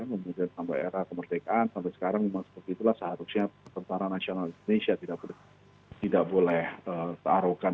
kemudian sampai era kemerdekaan sampai sekarang memang seharusnya tentara nasional indonesia tidak boleh arogan